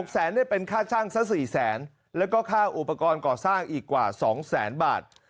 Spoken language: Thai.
แสนได้เป็นค่าช่างซะ๔แสนแล้วก็ค่าอุปกรณ์ก่อสร้างอีกกว่า๒แสนบาท